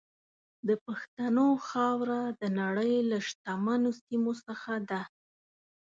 د پښتنو خاوره د نړۍ له شتمنو سیمو څخه ده.